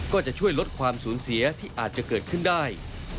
ก็จะช่วยลดความสูญเสียที่อาจจะเกิดขึ้นได้